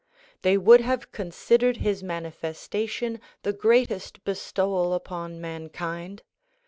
They would have considered his manifestation the greatest be stowal upon mankind.